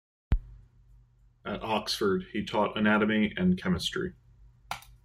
At Oxford, he taught anatomy and chemistry.